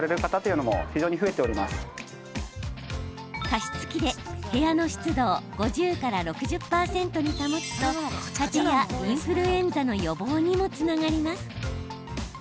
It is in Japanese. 加湿器で部屋の湿度を５０から６０％に保つとかぜやインフルエンザの予防にもつながります。